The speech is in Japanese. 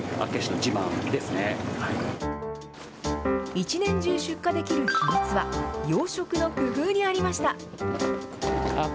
一年中出荷できる秘密は、養殖の工夫にありました。